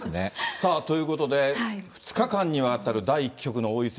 さあ、ということで、２日間にわたる第１局の王位戦